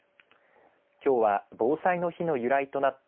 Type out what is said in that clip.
きょうは防災の日の由来となった